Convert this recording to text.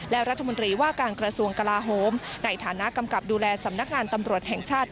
และรัฐมนตรีว่าการกระทรวงกลาโฮมในฐานะกำกับดูแลสำนักงานตำรวจแห่งชาติ